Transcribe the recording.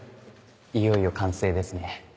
いよいよ完成ですね